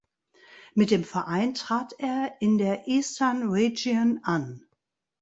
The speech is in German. Mit dem Verein trat er in der Eastern Region an.